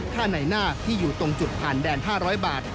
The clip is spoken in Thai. ค่าในหน้าที่อยู่ตรงจุดผ่านแดน๕๐๐บาท